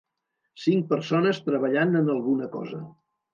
Cinc persones treballant en alguna cosa.